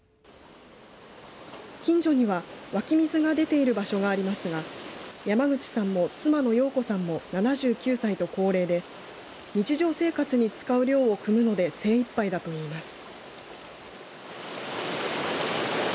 近所には湧き水が出ている場所がありますが山口さんも妻の陽子さんも７９歳と高齢で日常生活に使う量をくむので精いっぱいだといいます。